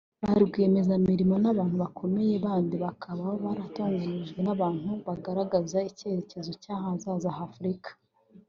ba rwiyemezamirimo n’abantu bakomeye bandi bakaba baratoranijwe nk’abantu bagaragaza icyizere cy’ahazaza ha Afurika